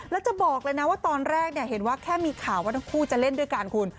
แล้วจะบอกเลยนะว่าตอนแรกเห็นว่าแค่มีข่าวว่าทั้งคู่จะเล่นด้วยกันคุณ